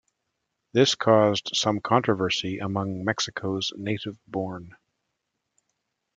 This caused some controversy among Mexico's native-born.